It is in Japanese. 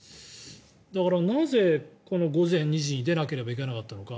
だから、なぜ、この午前２時に出なければいけなかったのか。